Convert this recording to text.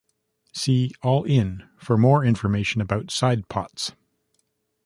See "all in" for more information about "side pots".